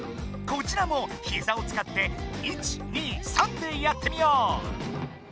こちらも「ひざ」を使って１２３でやってみよう！